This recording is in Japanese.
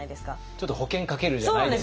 ちょっと保険かけるじゃないですけど。